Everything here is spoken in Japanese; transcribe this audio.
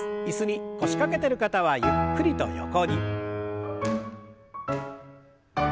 椅子に腰掛けてる方はゆっくりと横に。